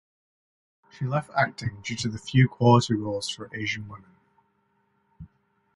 She left acting due to the few quality roles for Asian women.